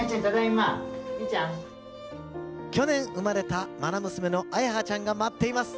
去年生まれたまな娘の彩葉ちゃんが待っています。